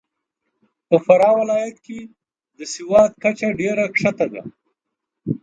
په فراه ولایت کې د سواد کچه ډېره کښته ده .